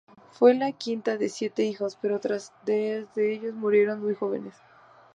Fue la quinta de siete hijos, pero tres de ellos murieron muy jóvenes.